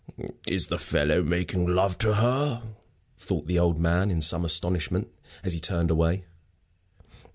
"Is the fellow making love to her?" thought the old man, in some astonishment, as he turned away.